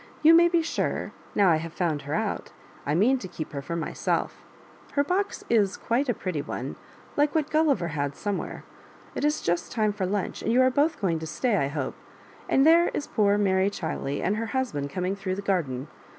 You may be sure, now I have found her out, I mean to keep her for myself Her box is quite a pretty one, like what Gulliver had somewhere. It is just time for lunch, and you are both going to stay, I hope; and there is poor Mary Chiley and her husband coming through the garden.